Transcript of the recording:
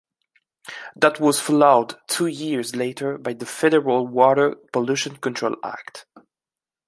That was followed two years later by the Federal Water Pollution Control Act.